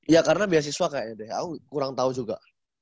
ya karena beasiswa kayaknya deh aku kurang tahu juga